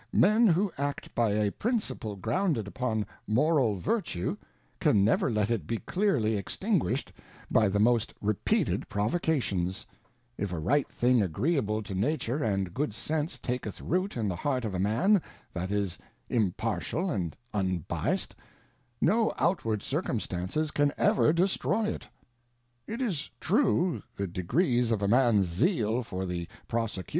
Men" who act by a Principle grounded I upon Moral Vertue, can never let it be _cLearly extinguisbed^ by | the j of a Trimmer. 69 the^most^j^peated Provocations ; if a right thing agreeable to/ Nature and good Sense taketh root in the heart of a Man thatjj is impartial and unbyass'd, no outward Circumstances can everi destroy it ; it is true, the degrees of a Mans Zeal for the Prosecu